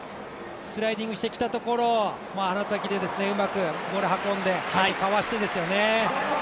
スライディングしてきたところうまくボールを運んで、かわしてですよね。